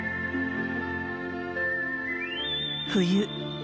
冬。